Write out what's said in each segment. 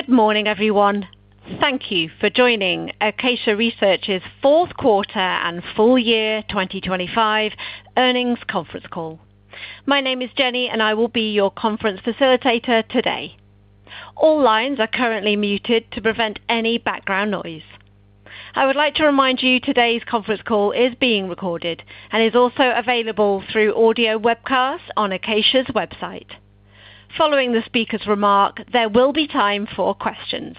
Good morning, everyone. Thank you for joining Acacia Research's fourth quarter and full year 2025 earnings conference call. My name is Jenny, and I will be your conference facilitator today. All lines are currently muted to prevent any background noise. I would like to remind you today's conference call is being recorded and is also available through audio webcast on Acacia's website. Following the speaker's remark, there will be time for questions.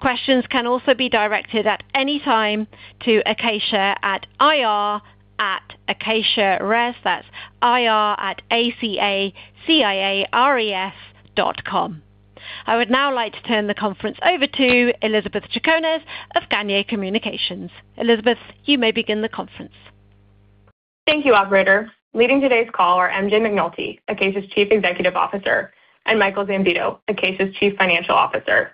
Questions can also be directed at any time to Acacia at ir@acaciares.com. That's ir@a-c-a-c-i-a-r-e-s.com. I would now like to turn the conference over to Elizabeth Chaconas of Gagnier Communications. Elizabeth, you may begin the conference. Thank you, operator. Leading today's call are MJ McNulty, Acacia's Chief Executive Officer, and Michael Zambito, Acacia's Chief Financial Officer.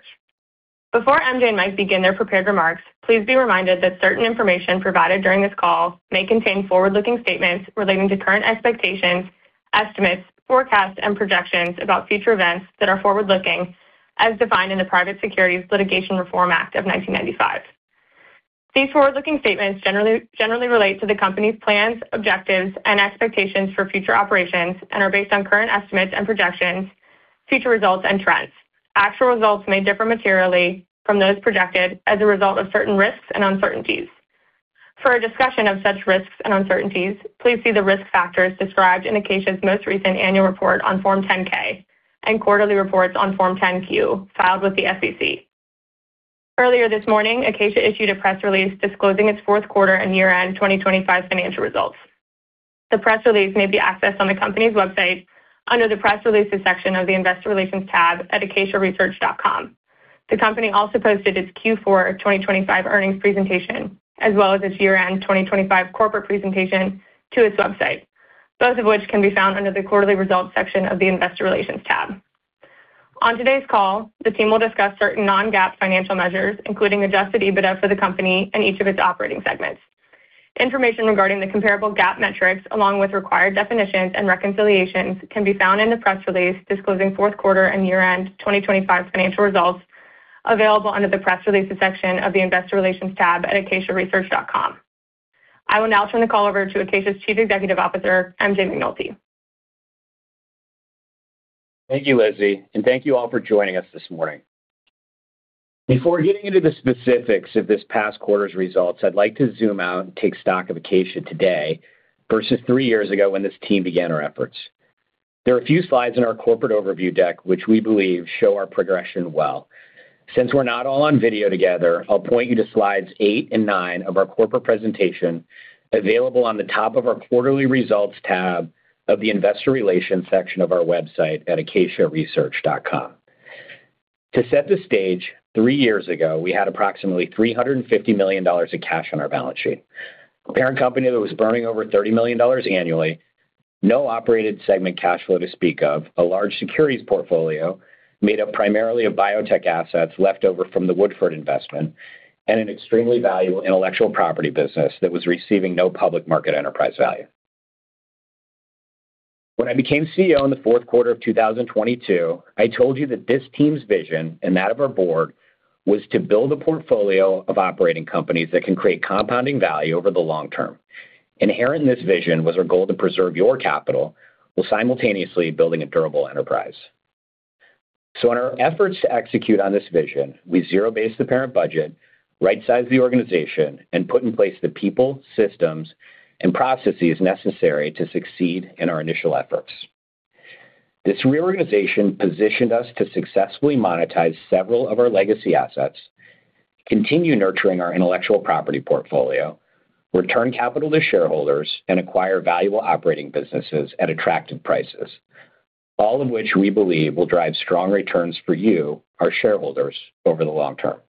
Before MJ and Mike begin their prepared remarks, please be reminded that certain information provided during this call may contain forward-looking statements relating to current expectations, estimates, forecasts, and projections about future events that are forward-looking as defined in the Private Securities Litigation Reform Act of 1995. These forward-looking statements generally relate to the company's plans, objectives and expectations for future operations and are based on current estimates and projections, future results and trends. Actual results may differ materially from those projected as a result of certain risks and uncertainties. For a discussion of such risks and uncertainties, please see the risk factors described in Acacia's most recent annual report on Form 10-K and quarterly reports on Form 10-Q filed with the SEC. Earlier this morning, Acacia issued a press release disclosing its fourth quarter and year-end 2025 financial results. The press release may be accessed on the company's website under the Press Releases section of the Investor Relations tab at acaciaresearch.com. The company also posted its Q4 of 2025 earnings presentation, as well as its year-end 2025 corporate presentation to its website, both of which can be found under the Quarterly Results section of the Investor Relations tab. On today's call, the team will discuss certain non-GAAP financial measures, including adjusted EBITDA for the company and each of its operating segments. Information regarding the comparable GAAP metrics, along with required definitions and reconciliations, can be found in the press release disclosing fourth quarter and year-end 2025 financial results available under the Press Releases section of the Investor Relations tab at acaciaresearch.com. I will now turn the call over to Acacia's Chief Executive Officer, MJ McNulty. Thank you, Lizzie, and thank you all for joining us this morning. Before getting into the specifics of this past quarter's results, I'd like to zoom out and take stock of Acacia today versus three years ago when this team began our efforts. There are a few slides in our corporate overview deck which we believe show our progression well. Since we're not all on video together, I'll point you to slides eight and nine of our corporate presentation available on the top of our Quarterly Results tab of the Investor Relations section of our website at acaciaresearch.com. To set the stage, three years ago, we had approximately $350 million of cash on our balance sheet. A parent company that was burning over $30 million annually, no operated segment cash flow to speak of, a large securities portfolio made up primarily of biotech assets left over from the Woodford investment, and an extremely valuable intellectual property business that was receiving no public market enterprise value. When I became CEO in the fourth quarter of 2022, I told you that this team's vision and that of our board was to build a portfolio of operating companies that can create compounding value over the long term. Inherent in this vision was our goal to preserve your capital while simultaneously building a durable enterprise. In our efforts to execute on this vision, we zero-based the parent budget, right-sized the organization, and put in place the people, systems, and processes necessary to succeed in our initial efforts. This reorganization positioned us to successfully monetize several of our legacy assets, continue nurturing our intellectual property portfolio, return capital to shareholders, and acquire valuable operating businesses at attractive prices. All of which we believe will drive strong returns for you, our shareholders, over the long term.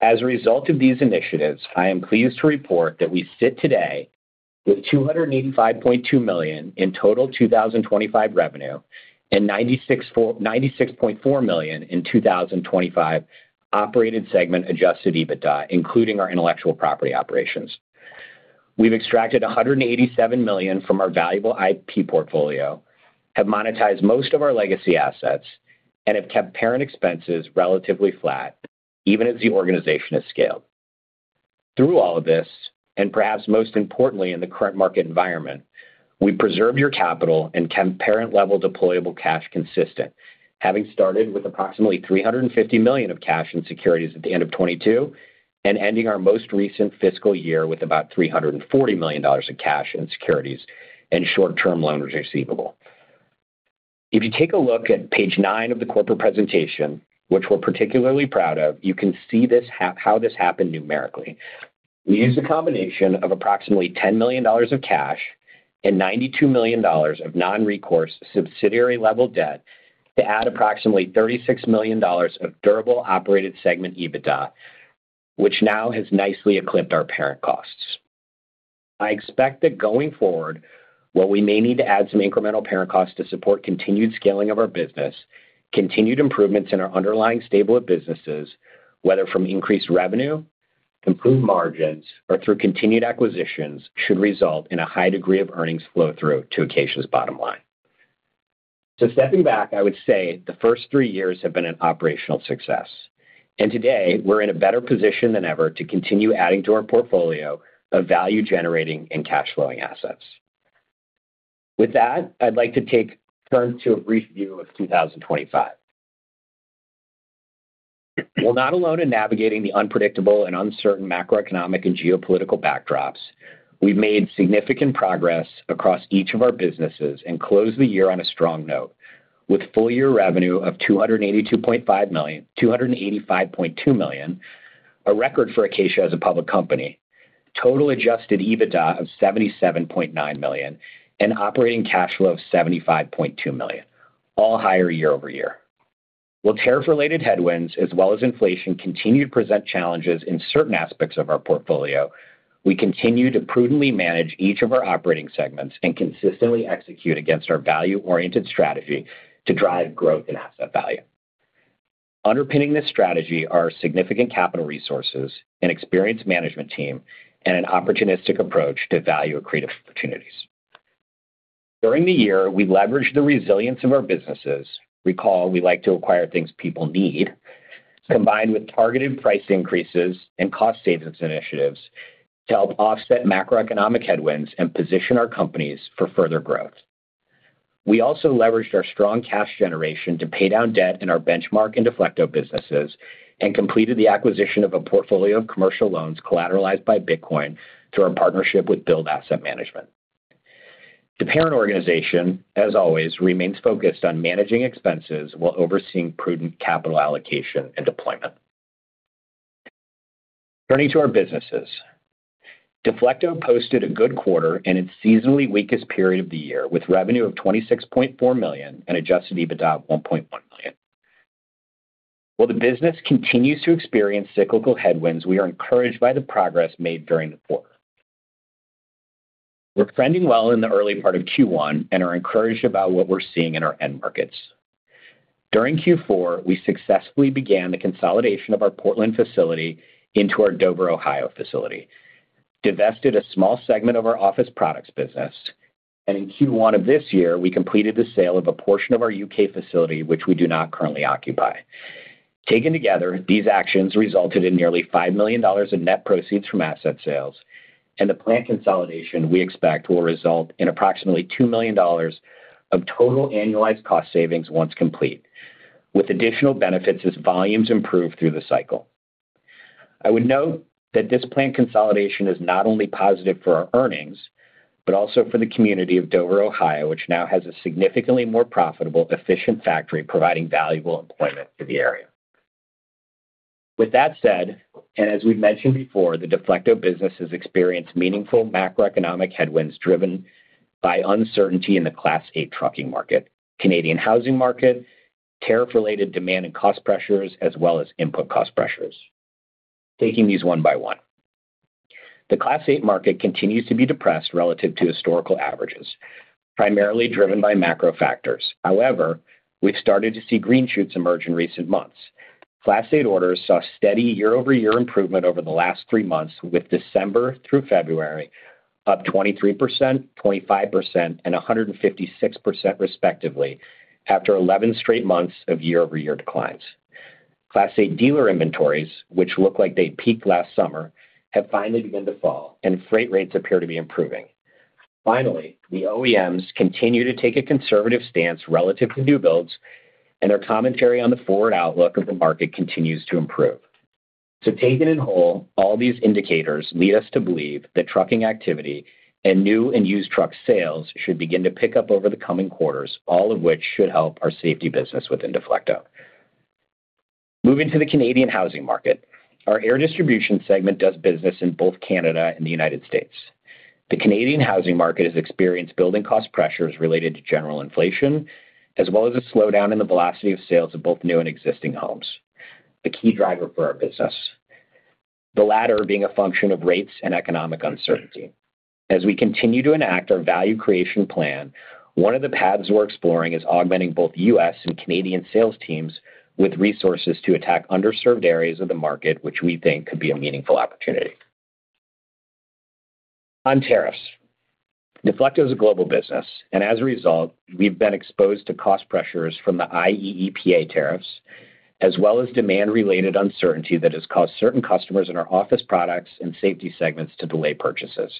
As a result of these initiatives, I am pleased to report that we sit today with $285.2 million in total 2025 revenue and $96.4 million in 2025 operated segment adjusted EBITDA, including our intellectual property operations. We've extracted $187 million from our valuable IP portfolio, have monetized most of our legacy assets, and have kept parent expenses relatively flat even as the organization has scaled. Through all of this, and perhaps most importantly in the current market environment, we preserve your capital and kept parent-level deployable cash consistent. Having started with approximately $350 million of cash and securities at the end of 2022 and ending our most recent fiscal year with about $340 million of cash in securities and short-term loans receivable. If you take a look at page nine of the corporate presentation, which we're particularly proud of, you can see how this happened numerically. We used a combination of approximately $10 million of cash and $92 million of non-recourse subsidiary-level debt to add approximately $36 million of durable operated segment EBITDA, which now has nicely eclipsed our parent costs. I expect that going forward, while we may need to add some incremental parent costs to support continued scaling of our business, continued improvements in our underlying stable of businesses, whether from increased revenue, improved margins or through continued acquisitions should result in a high degree of earnings flow through to Acacia's bottom line. Stepping back, I would say the first three years have been an operational success, and today we're in a better position than ever to continue adding to our portfolio of value-generating and cash flowing assets. With that, I'd like to turn to a brief view of 2025. While not alone in navigating the unpredictable and uncertain macroeconomic and geopolitical backdrops, we've made significant progress across each of our businesses and closed the year on a strong note with full year revenue of $285.2 million, a record for Acacia as a public company. Total Adjusted EBITDA of $77.9 million, and operating cash flow of $75.2 million, all higher year-over-year. While tariff-related headwinds as well as inflation continue to present challenges in certain aspects of our portfolio, we continue to prudently manage each of our operating segments and consistently execute against our value-oriented strategy to drive growth in asset value. Underpinning this strategy are significant capital resources, an experienced management team, and an opportunistic approach to value creative opportunities. During the year, we leveraged the resilience of our businesses. Recall, we like to acquire things people need, combined with targeted price increases and cost savings initiatives to help offset macroeconomic headwinds and position our companies for further growth. We also leveraged our strong cash generation to pay down debt in our Benchmark and Deflecto businesses, and completed the acquisition of a portfolio of commercial loans collateralized by Bitcoin through our partnership with Build Asset Management. The parent organization, as always, remains focused on managing expenses while overseeing prudent capital allocation and deployment. Turning to our businesses. Deflecto posted a good quarter in its seasonally weakest period of the year, with revenue of $26.4 million and Adjusted EBITDA of $1.1 million. While the business continues to experience cyclical headwinds, we are encouraged by the progress made during the quarter. We're trending well in the early part of Q1 and are encouraged about what we're seeing in our end markets. During Q4, we successfully began the consolidation of our Portland facility into our Dover, Ohio facility, divested a small segment of our office products business, and in Q1 of this year, we completed the sale of a portion of our U.K. facility, which we do not currently occupy. Taken together, these actions resulted in nearly $5 million in net proceeds from asset sales, and the plant consolidation we expect will result in approximately $2 million of total annualized cost savings once complete, with additional benefits as volumes improve through the cycle. I would note that this plant consolidation is not only positive for our earnings, but also for the community of Dover, Ohio, which now has a significantly more profitable, efficient factory providing valuable employment to the area. With that said, as we've mentioned before, the Deflecto business has experienced meaningful macroeconomic headwinds driven by uncertainty in the Class 8 trucking market, Canadian housing market, tariff related demand and cost pressures, as well as input cost pressures. Taking these one by one. The Class 8 market continues to be depressed relative to historical averages, primarily driven by macro factors. However, we've started to see green shoots emerge in recent months. Class 8 orders saw steady year-over-year improvement over the last three months, with December through February up 23%, 25%, and 156% respectively, after 11 straight months of year-over-year declines. Class 8 dealer inventories, which look like they peaked last summer, have finally begun to fall and freight rates appear to be improving. Finally, the OEMs continue to take a conservative stance relative to new builds, and their commentary on the forward outlook of the market continues to improve. Taken in whole, all these indicators lead us to believe that trucking activity and new and used truck sales should begin to pick up over the coming quarters, all of which should help our safety business within Deflecto. Moving to the Canadian housing market. Our air distribution segment does business in both Canada and the United States. The Canadian housing market has experienced building cost pressures related to general inflation, as well as a slowdown in the velocity of sales of both new and existing homes, the key driver for our business. The latter being a function of rates and economic uncertainty. As we continue to enact our value creation plan, one of the paths we're exploring is augmenting both U.S. and Canadian sales teams with resources to attack underserved areas of the market, which we think could be a meaningful opportunity. On tariffs. Deflecto is a global business, and as a result, we've been exposed to cost pressures from the IEEPA tariffs, as well as demand related uncertainty that has caused certain customers in our office products and safety segments to delay purchases.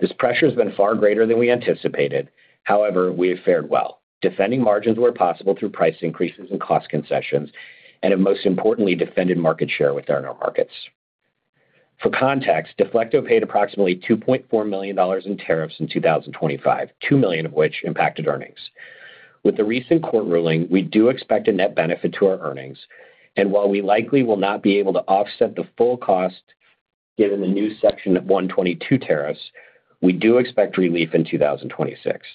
This pressure has been far greater than we anticipated. However, we have fared well, defending margins where possible through price increases and cost concessions, and have most importantly defended market share within our markets. For context, Deflecto paid approximately $2.4 million in tariffs in 2025, $2 million of which impacted earnings. With the recent court ruling, we do expect a net benefit to our earnings, and while we likely will not be able to offset the full cost given the new Section 122 tariffs, we do expect relief in 2026.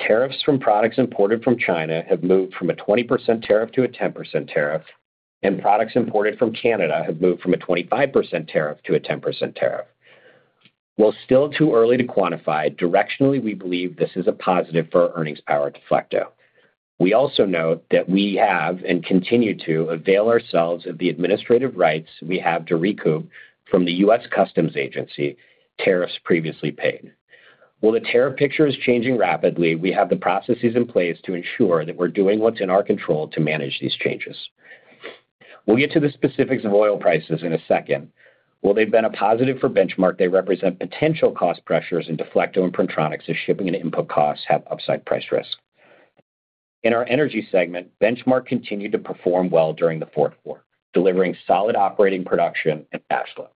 Tariffs from products imported from China have moved from a 20% tariff to a 10% tariff, and products imported from Canada have moved from a 25% tariff to a 10% tariff. While still too early to quantify, directionally, we believe this is a positive for earnings power at Deflecto. We also note that we have and continue to avail ourselves of the administrative rights we have to recoup from the U.S. Customs and Border Protection tariffs previously paid. While the tariff picture is changing rapidly, we have the processes in place to ensure that we're doing what's in our control to manage these changes. We'll get to the specifics of oil prices in a second. While they've been a positive for Benchmark, they represent potential cost pressures in Deflecto and Printronix as shipping and input costs have upside price risk. In our energy segment, Benchmark continued to perform well during the fourth quarter, delivering solid operating production and cash flow.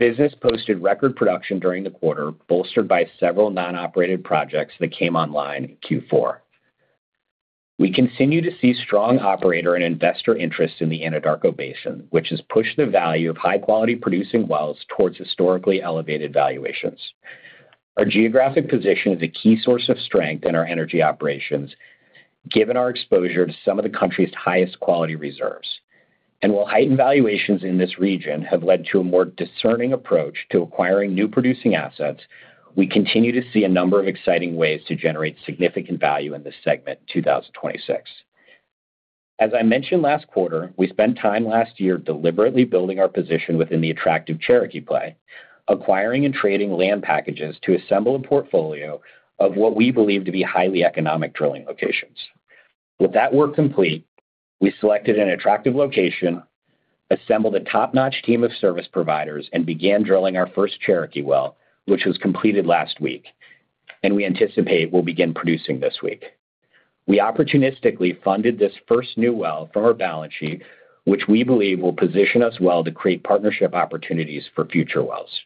Benchmark posted record production during the quarter, bolstered by several non-operated projects that came online in Q4. We continue to see strong operator and investor interest in the Anadarko Basin, which has pushed the value of high-quality producing wells towards historically elevated valuations. Our geographic position is a key source of strength in our energy operations, given our exposure to some of the country's highest quality reserves. While heightened valuations in this region have led to a more discerning approach to acquiring new producing assets, we continue to see a number of exciting ways to generate significant value in this segment in 2026. As I mentioned last quarter, we spent time last year deliberately building our position within the attractive Cherokee play, acquiring and trading land packages to assemble a portfolio of what we believe to be highly economic drilling locations. With that work complete, we selected an attractive location, assembled a top-notch team of service providers, and began drilling our first Cherokee well, which was completed last week, and we anticipate will begin producing this week. We opportunistically funded this first new well from our balance sheet, which we believe will position us well to create partnership opportunities for future wells.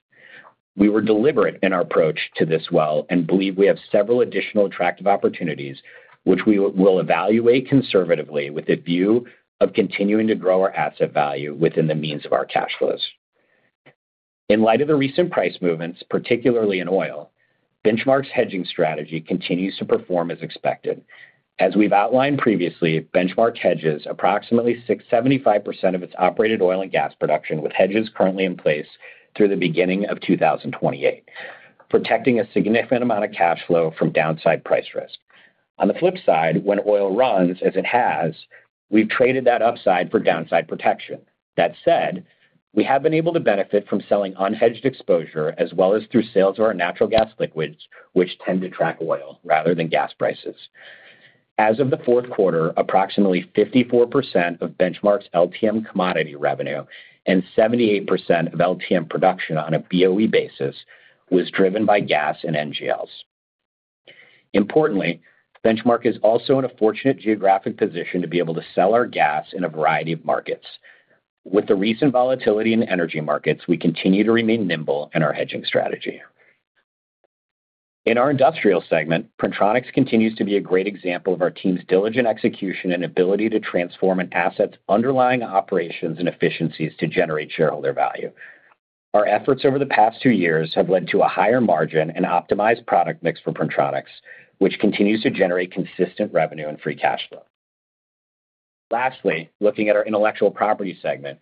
We were deliberate in our approach to this well and believe we have several additional attractive opportunities which we will evaluate conservatively with a view of continuing to grow our asset value within the means of our cash flows. In light of the recent price movements, particularly in oil, Benchmark's hedging strategy continues to perform as expected. As we've outlined previously, Benchmark hedges approximately 60%-75% of its operated oil and gas production, with hedges currently in place through the beginning of 2028, protecting a significant amount of cash flow from downside price risk. On the flip side, when oil runs, as it has, we've traded that upside for downside protection. That said, we have been able to benefit from selling unhedged exposure as well as through sales of our natural gas liquids, which tend to track oil rather than gas prices. As of the fourth quarter, approximately 54% of Benchmark's LTM commodity revenue and 78% of LTM production on a BOE basis was driven by gas and NGLs. Importantly, Benchmark is also in a fortunate geographic position to be able to sell our gas in a variety of markets. With the recent volatility in energy markets, we continue to remain nimble in our hedging strategy. In our industrial segment, Printronix continues to be a great example of our team's diligent execution and ability to transform an asset's underlying operations and efficiencies to generate shareholder value. Our efforts over the past two years have led to a higher margin and optimized product mix for Printronix, which continues to generate consistent revenue and free cash flow. Lastly, looking at our intellectual property segment,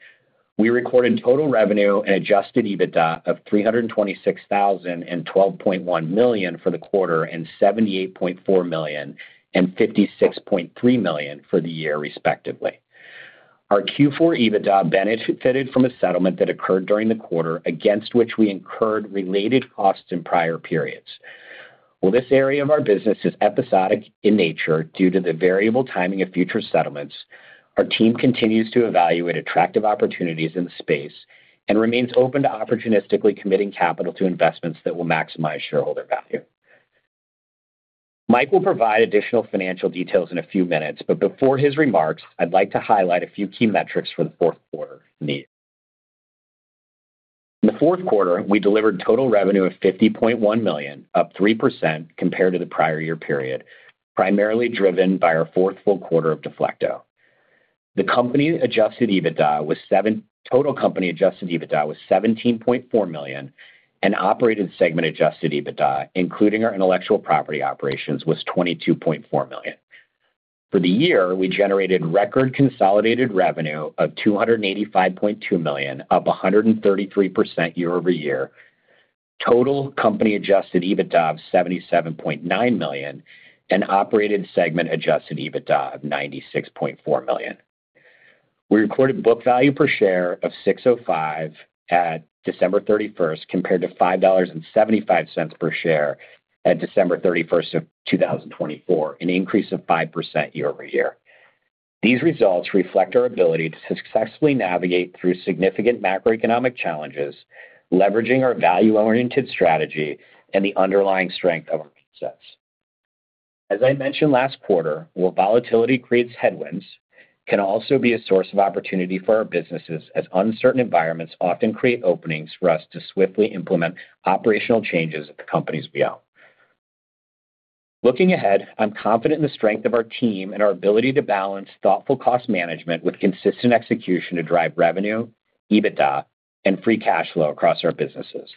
we recorded total revenue and Adjusted EBITDA of $326,000 and $12.1 million for the quarter and $78.4 million and $56.3 million for the year respectively. Our Q4 EBITDA benefited from a settlement that occurred during the quarter against which we incurred related costs in prior periods. While this area of our business is episodic in nature due to the variable timing of future settlements, our team continues to evaluate attractive opportunities in the space and remains open to opportunistically committing capital to investments that will maximize shareholder value. Mike will provide additional financial details in a few minutes, but before his remarks, I'd like to highlight a few key metrics for the fourth quarter. In the fourth quarter, we delivered total revenue of $50.1 million, up 3% compared to the prior year period, primarily driven by our fourth full quarter of Deflecto. Total company Adjusted EBITDA was $17.4 million and operated segment Adjusted EBITDA, including our intellectual property operations, was $22.4 million. For the year, we generated record consolidated revenue of $285.2 million, up 133% year-over-year. Total company Adjusted EBITDA of $77.9 million and operated segment Adjusted EBITDA of $96.4 million. We recorded book value per share of $6.05 at December 31st, compared to $5.75 per share at December 31st, 2024, an increase of 5% year-over-year. These results reflect our ability to successfully navigate through significant macroeconomic challenges, leveraging our value-oriented strategy and the underlying strength of our assets. As I mentioned last quarter, while volatility creates headwinds, it can also be a source of opportunity for our businesses as uncertain environments often create openings for us to swiftly implement operational changes at the companies we own. Looking ahead, I'm confident in the strength of our team and our ability to balance thoughtful cost management with consistent execution to drive revenue, EBITDA, and free cash flow across our businesses.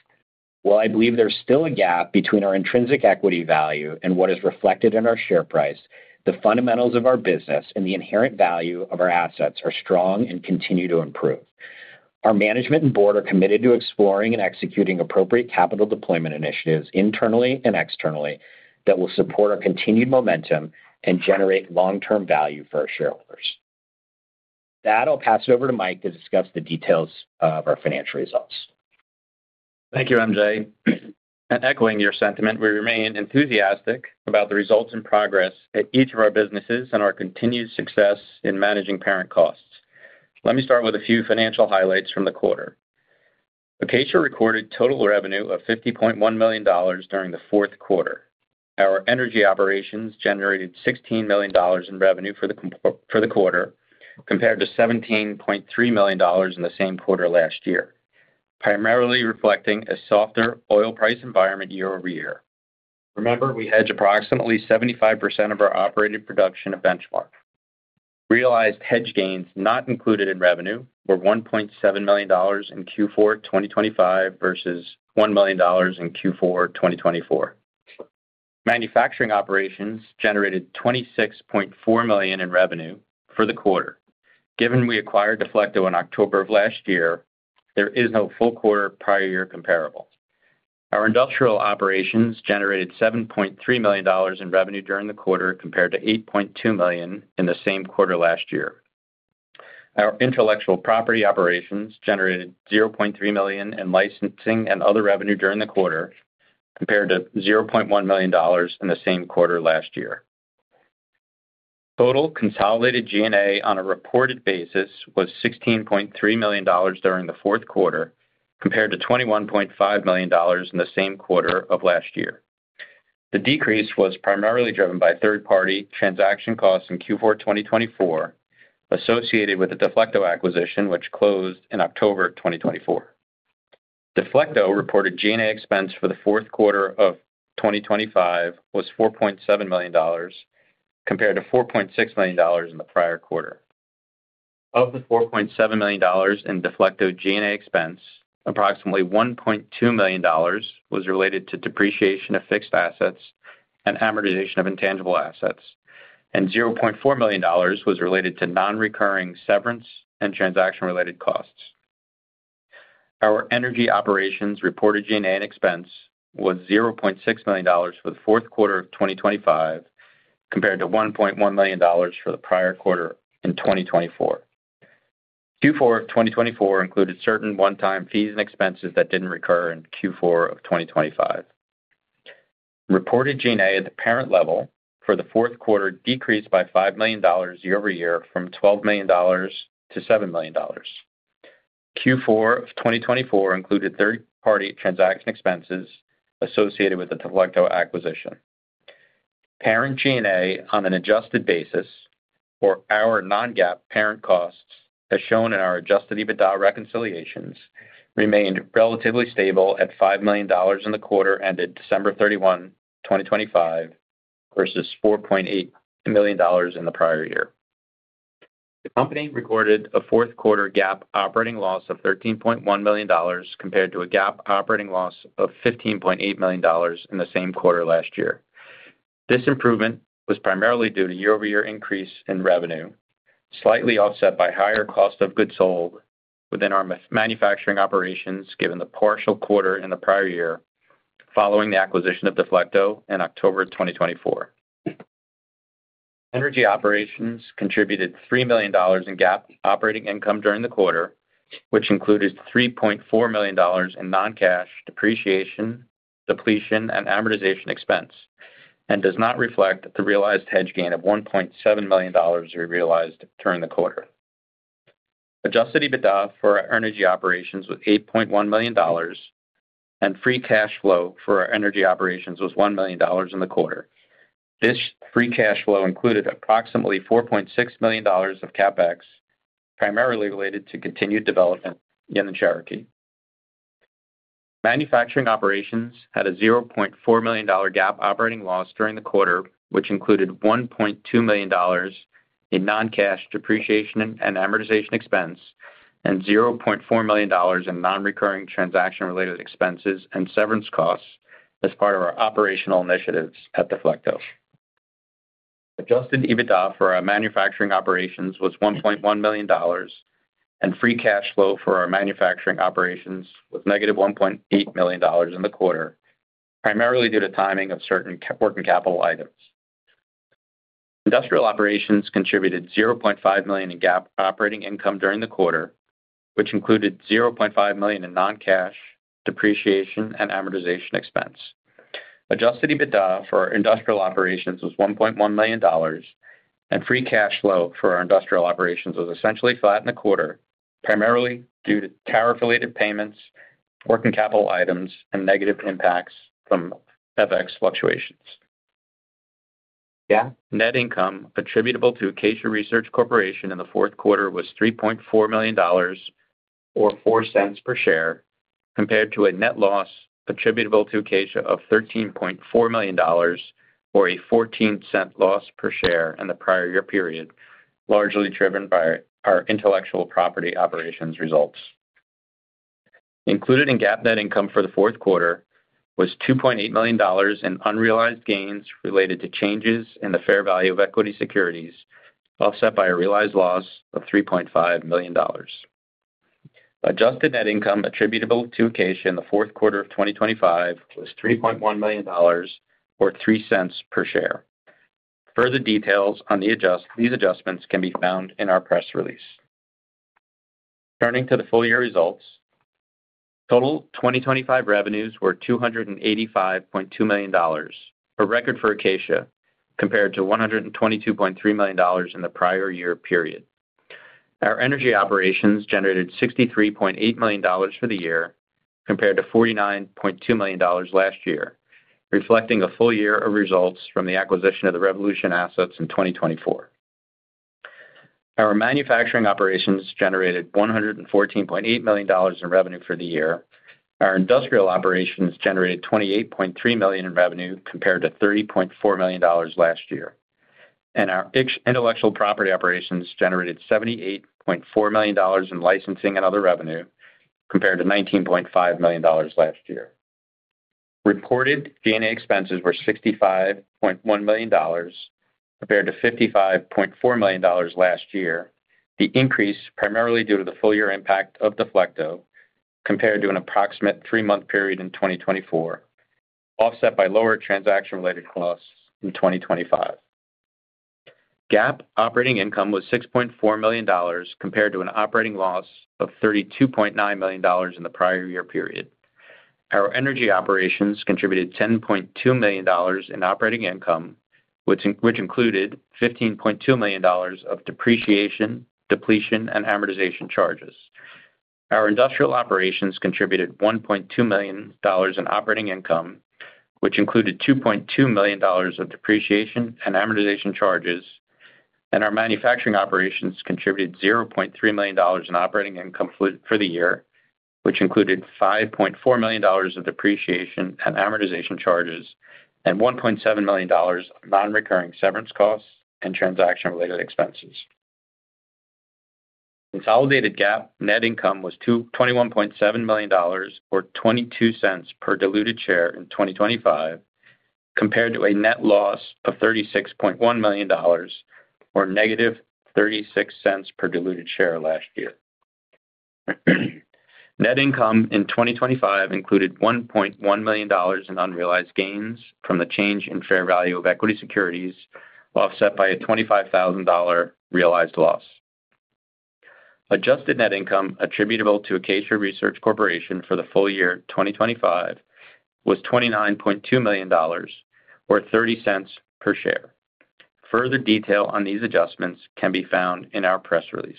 Well, I believe there's still a gap between our intrinsic equity value and what is reflected in our share price. The fundamentals of our business and the inherent value of our assets are strong and continue to improve. Our management and board are committed to exploring and executing appropriate capital deployment initiatives internally and externally that will support our continued momentum and generate long-term value for our shareholders. With that, I'll pass it over to Mike to discuss the details of our financial results. Thank you, MJ. Echoing your sentiment, we remain enthusiastic about the results and progress at each of our businesses and our continued success in managing parent costs. Let me start with a few financial highlights from the quarter. Acacia recorded total revenue of $50.1 million during the fourth quarter. Our energy operations generated $16 million in revenue for the quarter compared to $17.3 million in the same quarter last year, primarily reflecting a softer oil price environment year-over-year. Remember, we hedge approximately 75% of our operated production of Benchmark. Realized hedge gains not included in revenue were $1.7 million in Q4 2025 versus $1 million in Q4 2024. Manufacturing operations generated $26.4 million in revenue for the quarter. Given we acquired Deflecto in October of last year, there is no full quarter prior year comparable. Our industrial operations generated $7.3 million in revenue during the quarter compared to $8.2 million in the same quarter last year. Our intellectual property operations generated $0.3 million in licensing and other revenue during the quarter compared to $0.1 million in the same quarter last year. Total consolidated G&A on a reported basis was $16.3 million during the fourth quarter compared to $21.5 million in the same quarter of last year. The decrease was primarily driven by third-party transaction costs in Q4 2024 associated with the Deflecto acquisition, which closed in October 2024. Deflecto reported G&A expense for the fourth quarter of 2025 was $4.7 million compared to $4.6 million in the prior quarter. Of the $4.7 million in Deflecto G&A expense, approximately $1.2 million was related to depreciation of fixed assets and amortization of intangible assets, and $0.4 million was related to non-recurring severance and transaction-related costs. Our energy operations reported G&A expense was $0.6 million for the fourth quarter of 2025 compared to $1.1 million for the prior quarter in 2024. Q4 2024 included certain one-time fees and expenses that didn't recur in Q4 of 2025. Reported G&A at the parent level for the fourth quarter decreased by $5 million year-over-year from $12 million to $7 million. Q4 of 2024 included third-party transaction expenses associated with the Deflecto acquisition. Parent G&A on an adjusted basis or our non-GAAP parent costs, as shown in our adjusted EBITDA reconciliations, remained relatively stable at $5 million in the quarter ended December 31, 2025 versus $4.8 million in the prior year. The company recorded a fourth quarter GAAP operating loss of $13.1 million compared to a GAAP operating loss of $15.8 million in the same quarter last year. This improvement was primarily due to year-over-year increase in revenue, slightly offset by higher cost of goods sold within our manufacturing operations, given the partial quarter in the prior year following the acquisition of Deflecto in October 2024. Energy operations contributed $3 million in GAAP operating income during the quarter, which included $3.4 million in non-cash depreciation, depletion, and amortization expense and does not reflect the realized hedge gain of $1.7 million we realized during the quarter. Adjusted EBITDA for our energy operations was $8.1 million, and free cash flow for our energy operations was $1 million in the quarter. This free cash flow included approximately $4.6 million of CapEx, primarily related to continued development in the Cherokee. Manufacturing operations had a $0.4 million GAAP operating loss during the quarter, which included $1.2 million in non-cash depreciation and amortization expense and $0.4 million in non-recurring transaction related expenses and severance costs as part of our operational initiatives at Deflecto. Adjusted EBITDA for our manufacturing operations was $1.1 million, and free cash flow for our manufacturing operations was -$1.8 million in the quarter, primarily due to timing of certain working capital items. Industrial operations contributed $0.5 million in GAAP operating income during the quarter, which included $0.5 million in non-cash depreciation and amortization expense. Adjusted EBITDA for our industrial operations was $1.1 million, and free cash flow for our industrial operations was essentially flat in the quarter, primarily due to tariff-related payments, working capital items, and negative impacts from FX fluctuations. GAAP net income attributable to Acacia Research Corporation in the fourth quarter was $3.4 million or $0.04 per share, compared to a net loss attributable to Acacia of $13.4 million or a $0.14 loss per share in the prior year period, largely driven by our intellectual property operations results. Included in GAAP net income for the fourth quarter was $2.8 million in unrealized gains related to changes in the fair value of equity securities, offset by a realized loss of $3.5 million. Adjusted net income attributable to Acacia in the fourth quarter of 2025 was $3.1 million or $0.03 per share. Further details on these adjustments can be found in our press release. Turning to the full year results. Total 2025 revenues were $285.2 million, a record for Acacia, compared to $122.3 million in the prior year period. Our energy operations generated $63.8 million for the year, compared to $49.2 million last year, reflecting a full year of results from the acquisition of the Revolution assets in 2024. Our manufacturing operations generated $114.8 million in revenue for the year. Our industrial operations generated $28.3 million in revenue compared to $30.4 million last year. Our intellectual property operations generated $78.4 million in licensing and other revenue compared to $19.5 million last year. Reported G&A expenses were $65.1 million compared to $55.4 million last year. The increase primarily due to the full year impact of Deflecto compared to an approximate three-month period in 2024, offset by lower transaction-related costs in 2025. GAAP operating income was $6.4 million compared to an operating loss of $32.9 million in the prior year period. Our energy operations contributed $10.2 million in operating income, which included $15.2 million of depreciation, depletion and amortization charges. Our industrial operations contributed $1.2 million in operating income, which included $2.2 million of depreciation and amortization charges. Our manufacturing operations contributed $0.3 million in operating income for the year, which included $5.4 million of depreciation and amortization charges and $1.7 million of non-recurring severance costs and transaction-related expenses. Consolidated GAAP net income was $21.7 million or $0.22 per diluted share in 2025, compared to a net loss of $36.1 million, or negative $0.36 per diluted share last year. Net income in 2025 included $1.1 million in unrealized gains from the change in fair value of equity securities, offset by a $25,000 realized loss. Adjusted net income attributable to Acacia Research Corporation for the full year 2025 was $29.2 million or $0.30 per share. Further detail on these adjustments can be found in our press release.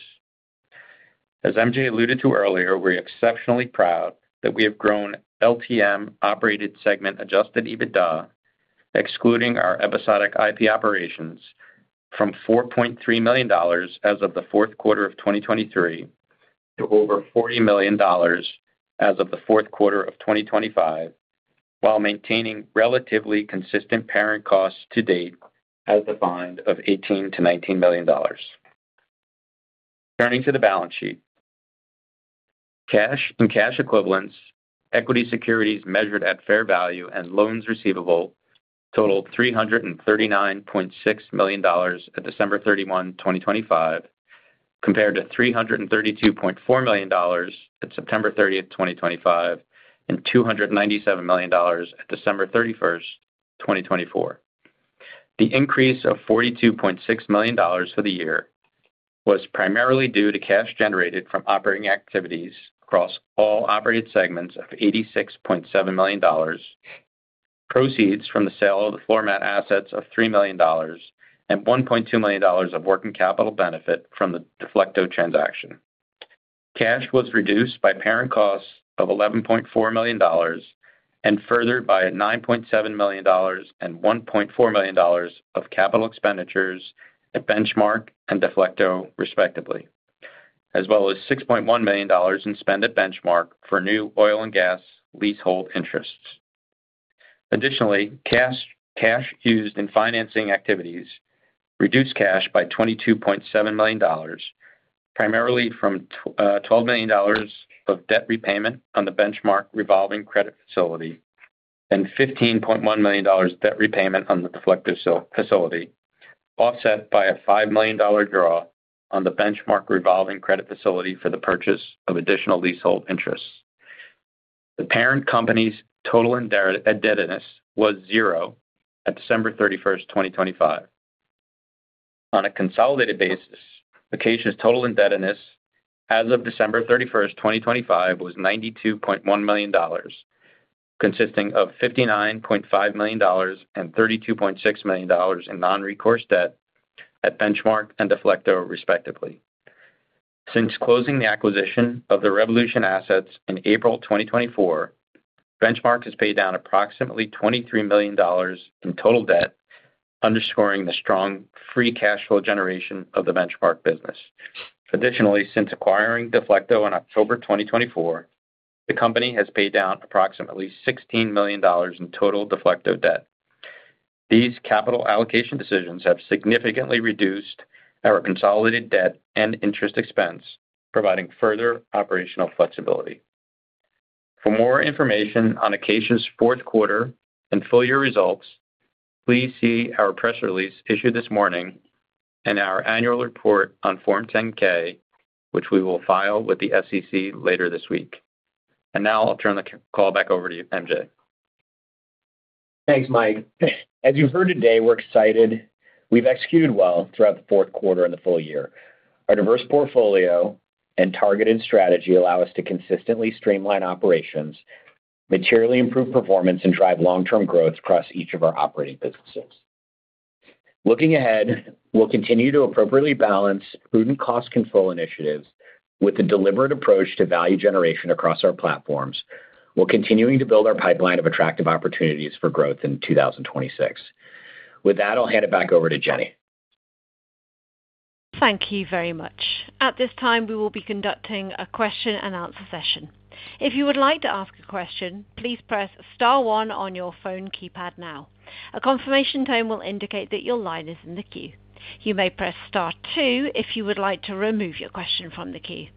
As MJ alluded to earlier, we're exceptionally proud that we have grown LTM operated segment Adjusted EBITDA, excluding our episodic IP operations from $4.3 million as of the fourth quarter of 2023 to over $40 million as of the fourth quarter of 2025, while maintaining relatively consistent parent costs to date as defined of $18 million-$19 million. Turning to the balance sheet. Cash and cash equivalents, equity securities measured at fair value and loans receivable totaled $339.6 million at December 31, 2025, compared to $332.4 million at September 30, 2025, and $297 million at December 31st, 2024. The increase of $42.6 million for the year was primarily due to cash generated from operating activities across all operated segments of $86.7 million. Proceeds from the sale of the Format assets of $3 million and $1.2 million of working capital benefit from the Deflecto transaction. Cash was reduced by parent costs of $11.4 million and further by $9.7 million and $1.4 million of capital expenditures at Benchmark and Deflecto, respectively, as well as $6.1 million in spend at Benchmark for new oil and gas leasehold interests. Additionally, cash used in financing activities reduced cash by $22.7 million, primarily from $12 million of debt repayment on the Benchmark revolving credit facility and $15.1 million debt repayment on the Deflecto facility, offset by a $5 million draw on the Benchmark revolving credit facility for the purchase of additional leasehold interests. The parent company's total indebtedness was zero at December 31st, 2025. On a consolidated basis, Acacia's total indebtedness as of December 31st, 2025, was $92.1 million, consisting of $59.5 million and $32.6 million in non-recourse debt at Benchmark and Deflecto, respectively. Since closing the acquisition of the Revolution assets in April 2024, Benchmark has paid down approximately $23 million in total debt, underscoring the strong free cash flow generation of the Benchmark business. Additionally, since acquiring Deflecto in October 2024, the company has paid down approximately $16 million in total Deflecto debt. These capital allocation decisions have significantly reduced our consolidated debt and interest expense, providing further operational flexibility. For more information on Acacia's fourth quarter and full year results, please see our press release issued this morning and our annual report on Form 10-K, which we will file with the SEC later this week. Now I'll turn the call back over to you, MJ. Thanks, Mike. As you've heard today, we're excited we've executed well throughout the fourth quarter and the full year. Our diverse portfolio and targeted strategy allow us to consistently streamline operations, materially improve performance, and drive long-term growth across each of our operating businesses. Looking ahead, we'll continue to appropriately balance prudent cost control initiatives with a deliberate approach to value generation across our platforms, while continuing to build our pipeline of attractive opportunities for growth in 2026. With that, I'll hand it back over to Jenny. Thank you very much. At this time, we will be conducting a question-and-answer session. If you would like to ask a question, please press star one on your phone keypad now. A confirmation tone will indicate that your line is in the queue. You may press star two if you would like to remove your question from the queue.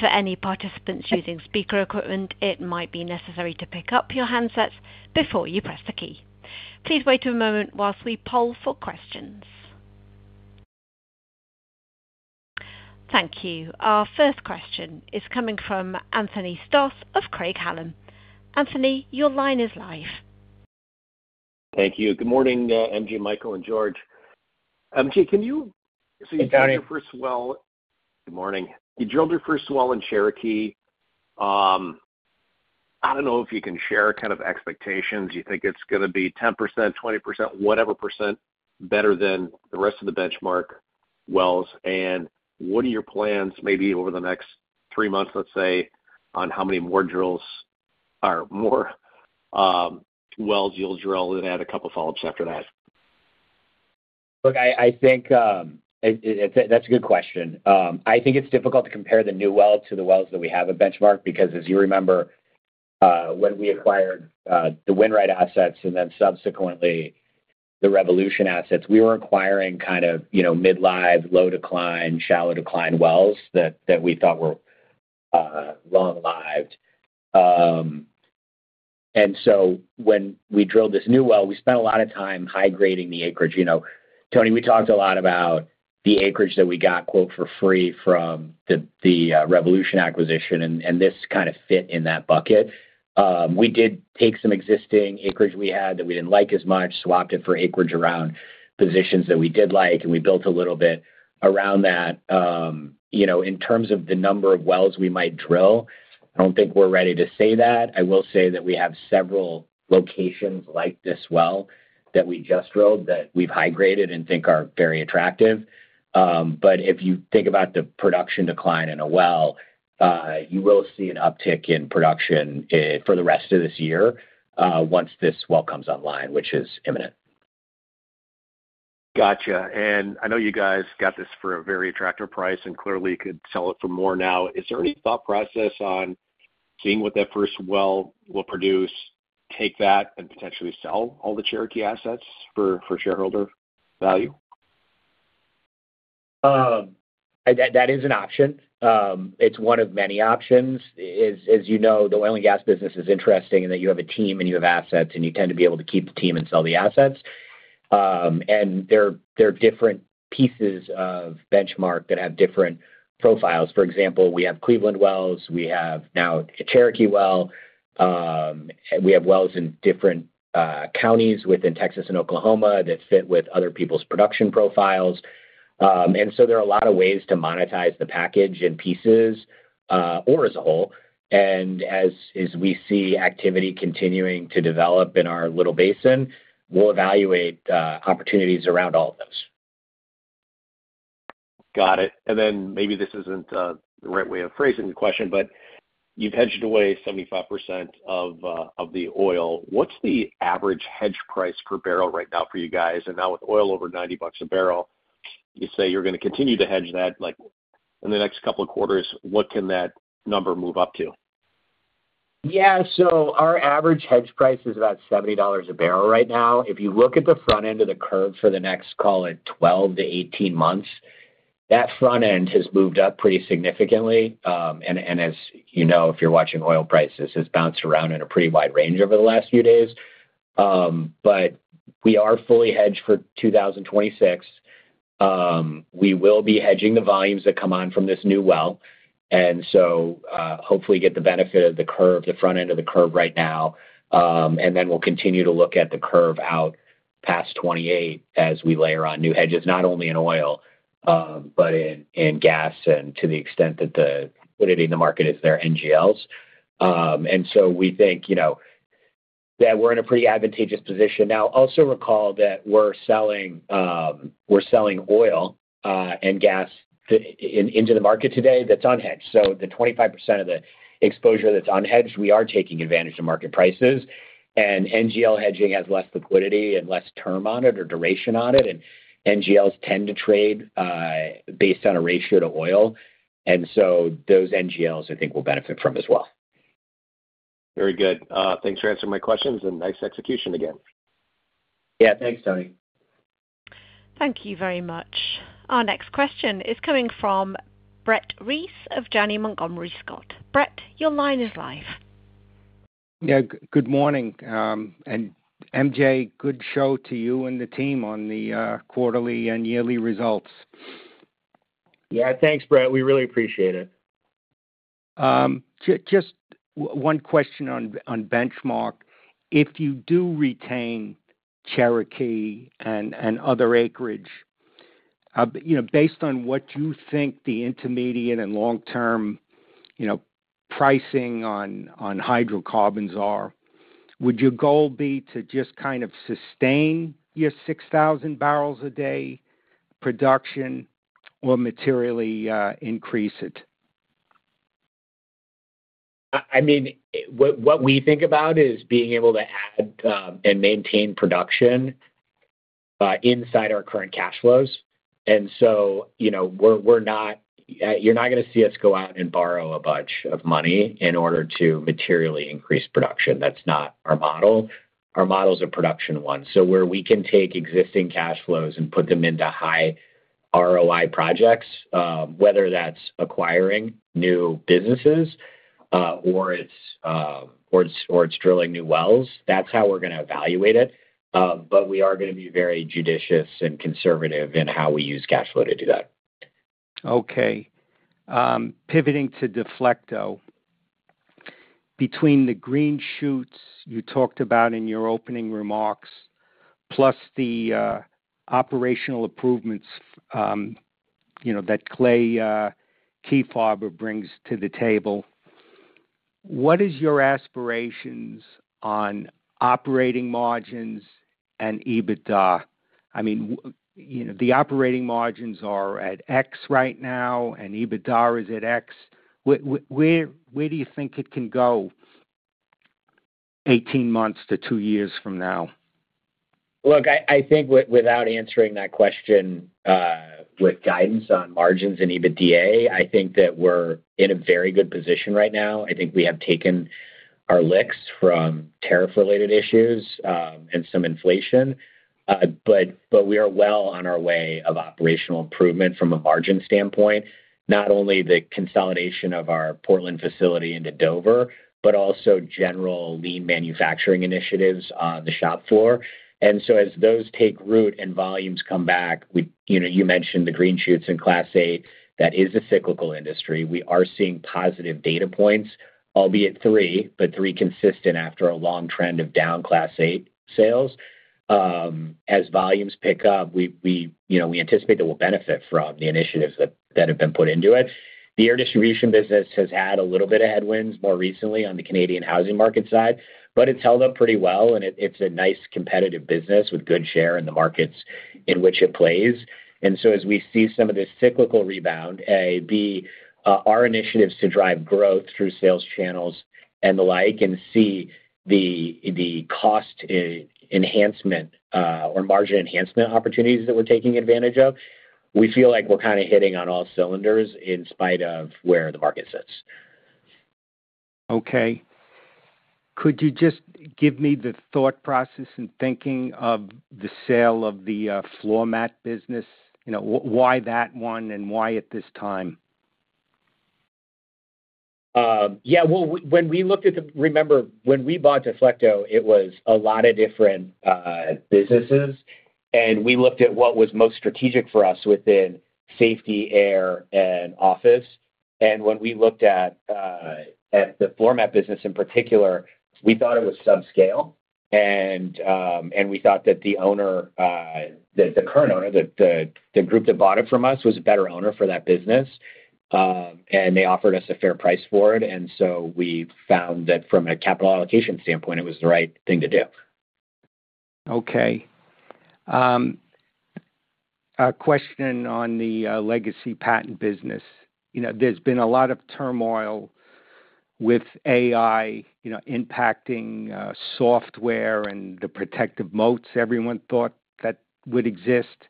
For any participants using speaker equipment, it might be necessary to pick up your handsets before you press the key. Please wait a moment while we poll for questions. Thank you. Our first question is coming from Anthony Stoss of Craig-Hallum Capital Group. Anthony, your line is live. Thank you. Good morning, MJ, Michael, and George. MJ, can you- Hey, Tony. You drilled your first well. Good morning. You drilled your first well in Cherokee. I don't know if you can share kind of expectations. Do you think it's gonna be 10%, 20%, whatever percent better than the rest of the benchmark wells? What are your plans maybe over the next three months, let's say, on how many more drills or more wells you'll drill? Add a couple follow-ups after that. Look, I think that's a good question. I think it's difficult to compare the new well to the wells that we have at Benchmark because as you remember, when we acquired the Winright assets and then subsequently the Revolution assets, we were acquiring kind of, you know, mid-life, low decline, shallow decline wells that we thought were long lived. When we drilled this new well, we spent a lot of time high grading the acreage. You know, Tony, we talked a lot about the acreage that we got, quote, for free from the Revolution acquisition, and this kinda fit in that bucket. We did take some existing acreage we had that we didn't like as much, swapped it for acreage around positions that we did like, and we built a little bit around that. You know, in terms of the number of wells we might drill, I don't think we're ready to say that. I will say that we have several locations like this well that we just drilled that we've high graded and think are very attractive. If you think about the production decline in a well, you will see an uptick in production, for the rest of this year, once this well comes online, which is imminent. Gotcha. I know you guys got this for a very attractive price and clearly could sell it for more now. Is there any thought process on seeing what that first well will produce, take that and potentially sell all the Cherokee assets for shareholder value? That is an option. It's one of many options. As you know, the oil and gas business is interesting in that you have a team and you have assets, and you tend to be able to keep the team and sell the assets. There are different pieces of Benchmark that have different profiles. For example, we have Cleveland wells, we have now a Cherokee well, we have wells in different counties within Texas and Oklahoma that fit with other people's production profiles. There are a lot of ways to monetize the package in pieces, or as a whole. As we see activity continuing to develop in our little basin, we'll evaluate opportunities around all of those. Got it. Maybe this isn't the right way of phrasing the question, but you've hedged away 75% of the oil. What's the average hedge price per barrel right now for you guys? Now with oil over $90 a barrel, you say you're gonna continue to hedge that. Like, in the next couple of quarters, what can that number move up to? Yeah. Our average hedge price is about $70 a barrel right now. If you look at the front end of the curve for the next, call it, 12-18 months, that front end has moved up pretty significantly. And as you know, if you're watching oil prices, has bounced around in a pretty wide range over the last few days. But we are fully hedged for 2026. We will be hedging the volumes that come on from this new well, hopefully get the benefit of the curve, the front end of the curve right now. And then we'll continue to look at the curve out past 2028 as we layer on new hedges, not only in oil, but in gas and to the extent that the liquidity in the market is there, NGLs. We think, you know, that we're in a pretty advantageous position. Now, also recall that we're selling oil and gas into the market today that's unhedged. The 25% of the exposure that's unhedged, we are taking advantage of market prices. NGL hedging has less liquidity and less term on it or duration on it. NGLs tend to trade based on a ratio to oil. Those NGLs I think will benefit from as well. Very good. Thanks for answering my questions and nice execution again. Yeah. Thanks, Tony. Thank you very much. Our next question is coming from Brett Reiss of Janney Montgomery Scott. Brett, your line is live. Yeah, good morning, and MJ, good show to you and the team on the quarterly and yearly results. Yeah, thanks, Brett. We really appreciate it. Just one question on Benchmark. If you do retain Cherokee and other acreage, you know, based on what you think the intermediate and long-term, you know, pricing on hydrocarbons are, would your goal be to just kind of sustain your 6,000 barrels a day production or materially increase it? I mean, what we think about is being able to add and maintain production inside our current cash flows. You know, we're not. You're not gonna see us go out and borrow a bunch of money in order to materially increase production. That's not our model. Our model's a production one. Where we can take existing cash flows and put them into high ROI projects, whether that's acquiring new businesses or it's drilling new wells, that's how we're gonna evaluate it. We are gonna be very judicious and conservative in how we use cash flow to do that. Okay. Pivoting to Deflecto. Between the green shoots you talked about in your opening remarks plus the operational improvements, you know, that Clay Kiefhaber brings to the table, what is your aspirations on operating margins and EBITDA? I mean, you know, the operating margins are at X right now, and EBITDA is at X. Where do you think it can go 18 months to two years from now? Look, I think without answering that question, with guidance on margins and EBITDA, I think that we're in a very good position right now. I think we have taken our licks from tariff-related issues, and some inflation. We are well on our way of operational improvement from a margin standpoint, not only the consolidation of our Portland facility into Dover, but also general lean manufacturing initiatives on the shop floor. As those take root and volumes come back, you know, you mentioned the green shoots in Class 8, that is a cyclical industry. We are seeing positive data points, albeit three, but three consistent after a long trend of down Class 8 sales. As volumes pick up, we, you know, we anticipate that we'll benefit from the initiatives that have been put into it. The air distribution business has had a little bit of headwinds more recently on the Canadian housing market side, but it's held up pretty well, and it's a nice competitive business with good share in the markets in which it plays. As we see some of this cyclical rebound, A, B, our initiatives to drive growth through sales channels and the like, and C, the cost enhancement or margin enhancement opportunities that we're taking advantage of, we feel like we're kinda hitting on all cylinders in spite of where the market sits. Okay. Could you just give me the thought process in thinking of the sale of the floor mat business? You know, why that one, and why at this time? Yeah. Well, when we looked at the, remember when we bought Deflecto, it was a lot of different businesses, and we looked at what was most strategic for us within safety, air, and office. When we looked at the floor mat business in particular, we thought it was subscale and we thought that the owner, the current owner, the group that bought it from us was a better owner for that business. They offered us a fair price for it, and so we found that from a capital allocation standpoint, it was the right thing to do. Okay. A question on the legacy patent business. You know, there's been a lot of turmoil with AI, you know, impacting software and the protective moats everyone thought that would exist.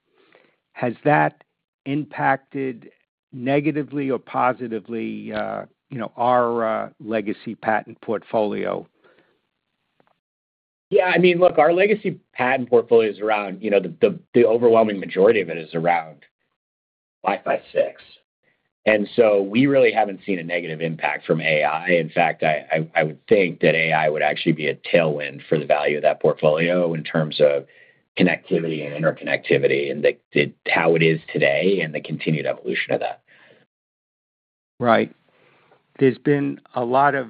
Has that impacted negatively or positively, you know, our legacy patent portfolio? Yeah. I mean, look, our legacy patent portfolio is around, you know, the overwhelming majority of it is around Wi-Fi 6. We really haven't seen a negative impact from AI. In fact, I would think that AI would actually be a tailwind for the value of that portfolio in terms of connectivity and interconnectivity and how it is today and the continued evolution of that. Right. There's been a lot of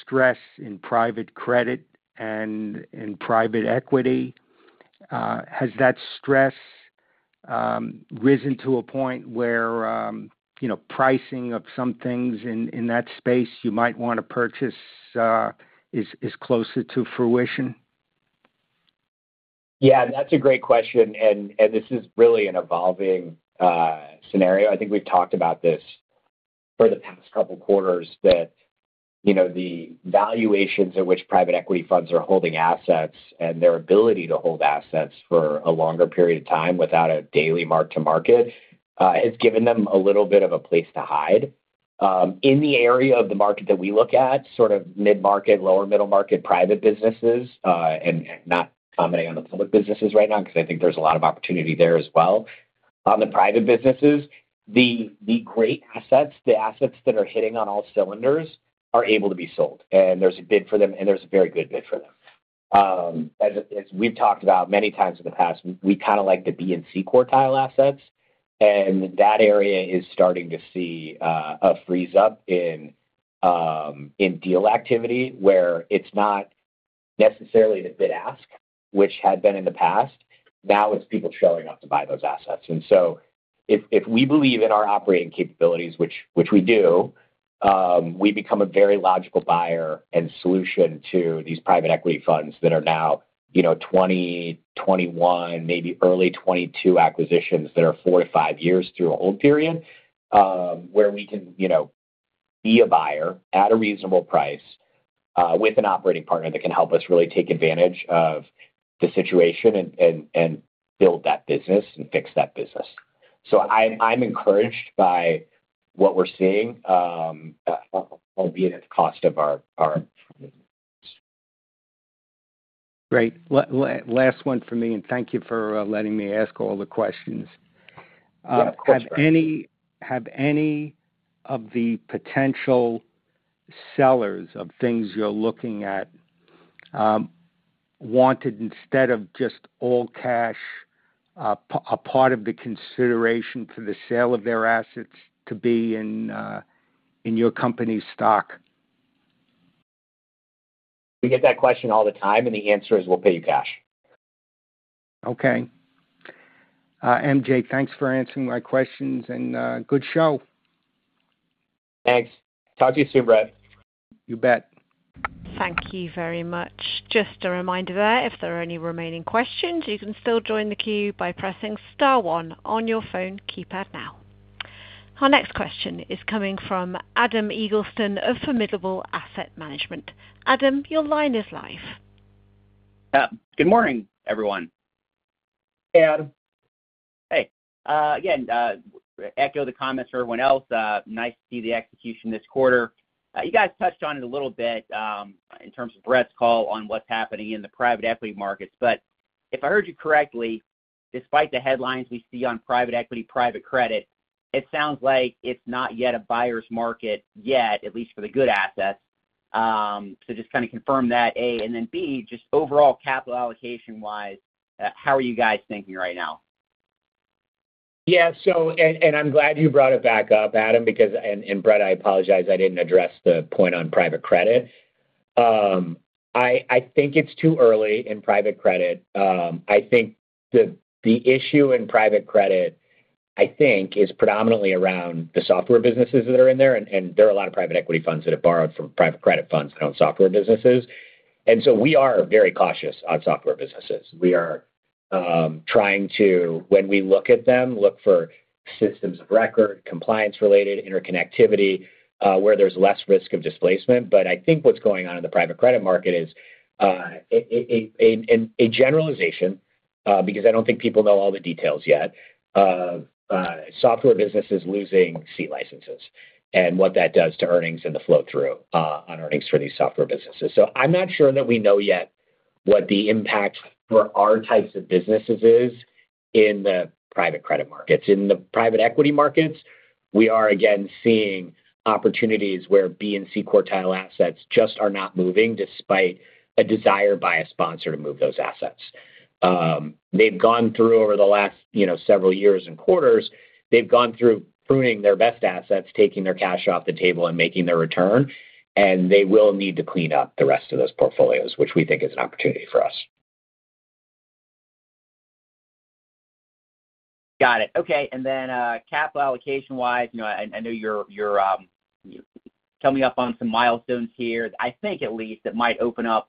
stress in private credit and in private equity. Has that stress risen to a point where you know pricing of some things in that space you might wanna purchase is closer to fruition? Yeah, that's a great question, and this is really an evolving scenario. I think we've talked about this for the past couple quarters that, you know, the valuations at which private equity funds are holding assets and their ability to hold assets for a longer period of time without a daily mark to market has given them a little bit of a place to hide. In the area of the market that we look at, sort of mid-market, lower middle market, private businesses, and not commenting on the public businesses right now, 'cause I think there's a lot of opportunity there as well. On the private businesses, the great assets, the assets that are hitting on all cylinders are able to be sold, and there's a bid for them, and there's a very good bid for them. As we've talked about many times in the past, we kinda like the B and C quartile assets, and that area is starting to see a freeze up in deal activity where it's not necessarily the bid ask, which had been in the past. Now it's people showing up to buy those assets. If we believe in our operating capabilities, which we do, we become a very logical buyer and solution to these private equity funds that are now, you know, 2020, 2021, maybe early 2022 acquisitions that are four to five years through a hold period, where we can, you know, be a buyer at a reasonable price with an operating partner that can help us really take advantage of the situation and build that business and fix that business. I'm encouraged by what we're seeing, albeit at the cost of our. Great. Last one for me, and thank you for letting me ask all the questions. Yeah, of course, Brett. Have any of the potential sellers of things you're looking at wanted instead of just all cash, a part of the consideration for the sale of their assets to be in your company's stock? We get that question all the time, and the answer is we'll pay you cash. Okay. MJ, thanks for answering my questions, and good show. Thanks. Talk to you soon, Brett. You bet. Thank you very much. Just a reminder there, if there are any remaining questions, you can still join the queue by pressing star one on your phone keypad now. Our next question is coming from Adam Eagleston of Formidable Asset Management. Adam, your line is live. Good morning, everyone. Hey, Adam. Hey. Again, echo the comments for everyone else. Nice to see the execution this quarter. You guys touched on it a little bit, in terms of Brett's call on what's happening in the private equity markets. If I heard you correctly, despite the headlines we see on private equity, private credit, it sounds like it's not yet a buyer's market yet, at least for the good assets. Just kinda confirm that, A, and then B, just overall capital allocation-wise, how are you guys thinking right now? I'm glad you brought it back up, Adam, because Brett, I apologize, I didn't address the point on private credit. I think it's too early in private credit. I think the issue in private credit, I think, is predominantly around the software businesses that are in there, and there are a lot of private equity funds that have borrowed from private credit funds on software businesses. We are very cautious on software businesses. We are trying to, when we look at them, look for systems of record, compliance-related interconnectivity, where there's less risk of displacement. I think what's going on in the private credit market is a generalization, because I don't think people know all the details yet of software businesses losing C-licenses and what that does to earnings and the flow-through on earnings for these software businesses. So I'm not sure that we know yet what the impact for our types of businesses is in the private credit markets. In the private equity markets, we are again seeing opportunities where B and C quartile assets just are not moving despite a desire by a sponsor to move those assets. They've gone through over the last, you know, several years and quarters, they've gone through pruning their best assets, taking their cash off the table and making their return, and they will need to clean up the rest of those portfolios, which we think is an opportunity for us. Got it. Okay. Capital allocation-wise, you know, I know you're coming up on some milestones here. I think at least it might open up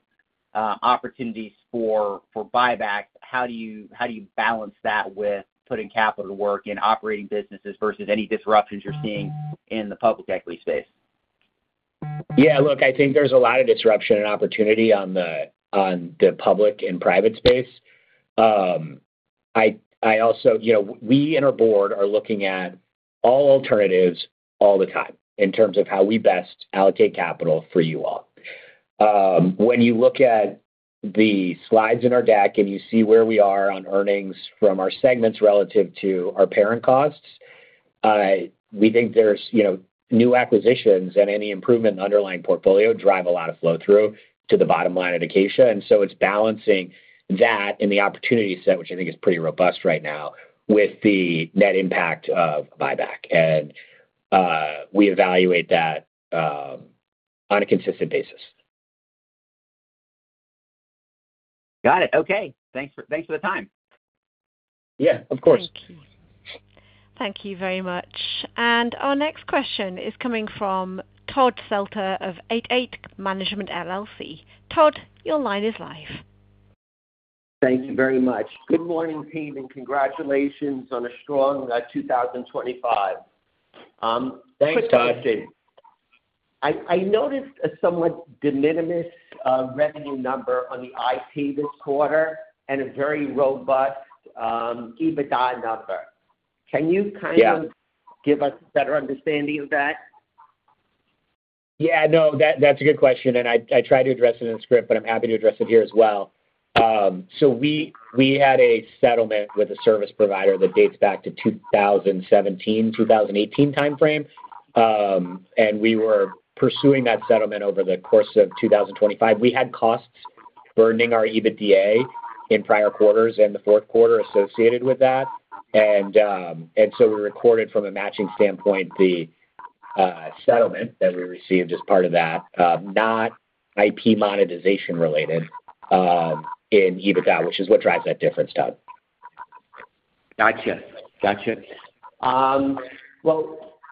opportunities for buyback. How do you balance that with putting capital to work in operating businesses versus any disruptions you're seeing in the public equity space? Yeah. Look, I think there's a lot of disruption and opportunity on the public and private space. I also, you know, we and our board are looking at all alternatives all the time in terms of how we best allocate capital for you all. When you look at the slides in our deck and you see where we are on earnings from our segments relative to our parent costs, we think there's, you know, new acquisitions and any improvement in the underlying portfolio drive a lot of flow-through to the bottom line of Acacia. It's balancing that in the opportunity set, which I think is pretty robust right now, with the net impact of buyback. We evaluate that on a consistent basis. Got it. Okay. Thanks for the time. Yeah, of course. Thank you. Thank you very much. Our next question is coming from Todd Seltzer of 88 Management LLC. Todd, your line is live. Thank you very much. Good morning, team, and congratulations on a strong 2025. Thanks, Todd. Quick question. I noticed a somewhat de minimis revenue number on the IP this quarter and a very robust EBITDA number. Can you kind of... Yeah. Give us a better understanding of that? Yeah, no, that's a good question, and I tried to address it in the script, but I'm happy to address it here as well. We had a settlement with a service provider that dates back to 2017, 2018 timeframe. We were pursuing that settlement over the course of 2025. We had costs burning our EBITDA in prior quarters and the fourth quarter associated with that. We recorded from a matching standpoint the settlement that we received as part of that, not IP monetization related, in EBITDA, which is what drives that difference, Todd. Gotcha.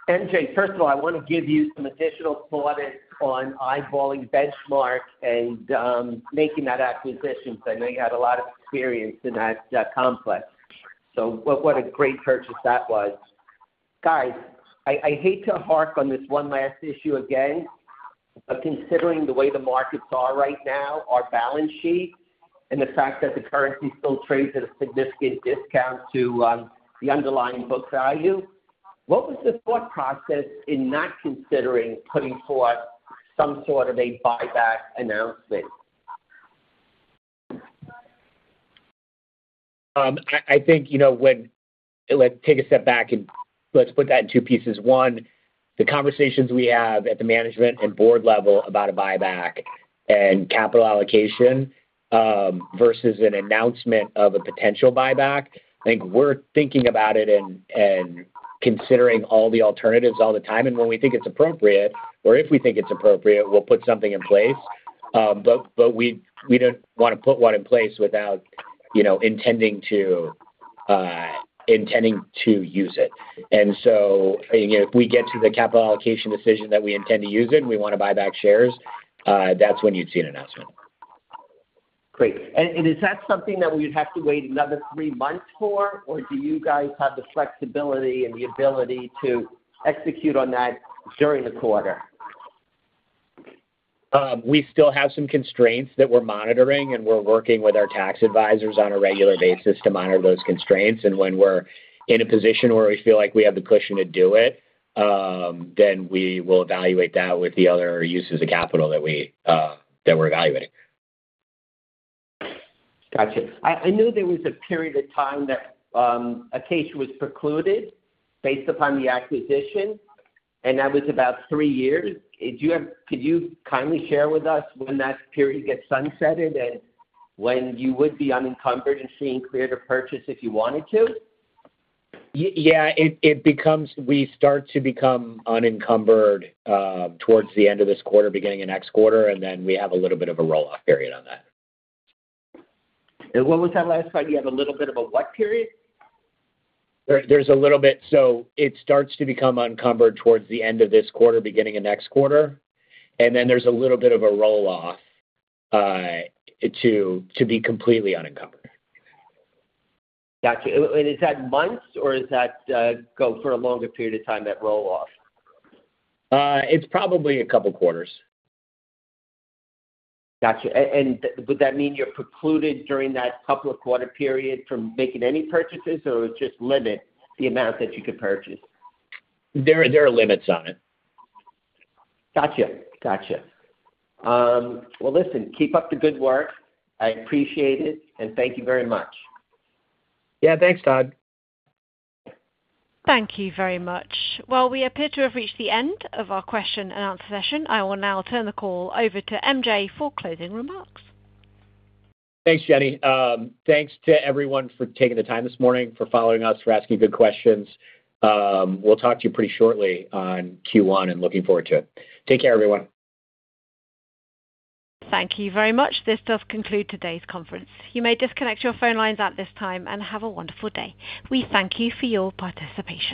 MJ, first of all, I want to give you some additional thought on acquiring Benchmark and making that acquisition. I know you had a lot of experience in that complex. What a great purchase that was. Guys, I hate to harp on this one last issue again, but considering the way the markets are right now, our balance sheet and the fact that the security still trades at a significant discount to the underlying book value, what was the thought process in not considering putting forth some sort of a buyback announcement? I think, you know, let's take a step back and let's split that in two pieces. One, the conversations we have at the management and board level about a buyback and capital allocation, versus an announcement of a potential buyback, I think we're thinking about it and considering all the alternatives all the time. When we think it's appropriate or if we think it's appropriate, we'll put something in place. But we don't wanna put one in place without, you know, intending to use it. You know, if we get to the capital allocation decision that we intend to use it and we wanna buy back shares, that's when you'd see an announcement. Great. Is that something that we would have to wait another three months for, or do you guys have the flexibility and the ability to execute on that during the quarter? We still have some constraints that we're monitoring, and we're working with our tax advisors on a regular basis to monitor those constraints. When we're in a position where we feel like we have the cushion to do it, then we will evaluate that with the other uses of capital that we're evaluating. Gotcha. I know there was a period of time that Acacia was precluded based upon the acquisition, and that was about three years. Could you kindly share with us when that period gets sunsetted and when you would be unencumbered and seen clear to purchase if you wanted to? Yeah. It becomes. We start to become unencumbered towards the end of this quarter, beginning of next quarter, and then we have a little bit of a roll-off period on that. What was that last part? You have a little bit of a what period? There, there's a little bit. It starts to become unencumbered towards the end of this quarter, beginning of next quarter, and then there's a little bit of a roll-off, to be completely unencumbered. Got you. Is that months or does that go for a longer period of time, that roll-off? It's probably a couple quarters. Gotcha. Would that mean you're precluded during that couple of quarter period from making any purchases or just limit the amount that you could purchase? There are limits on it. Gotcha. Well, listen, keep up the good work. I appreciate it, and thank you very much. Yeah, thanks, Todd. Thank you very much. Well, we appear to have reached the end of our question and answer session. I will now turn the call over to MJ for closing remarks. Thanks, Jenny. Thanks to everyone for taking the time this morning, for following us, for asking good questions. We'll talk to you pretty shortly on Q1, and looking forward to it. Take care, everyone. Thank you very much. This does conclude today's conference. You may disconnect your phone lines at this time, and have a wonderful day. We thank you for your participation.